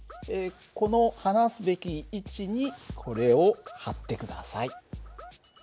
この放すべき位置にこれを貼ってください。